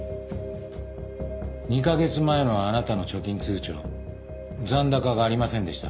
２カ月前のあなたの貯金通帳残高がありませんでした。